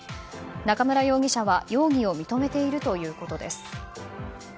中村容疑者は容疑を認めているということです。